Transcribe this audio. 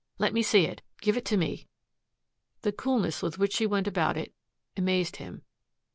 "Let me see it. Give it to me." The coolness with which she went about it amazed him.